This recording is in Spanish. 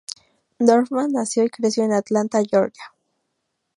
Dorfman Nació y creció en Atlanta, Georgia.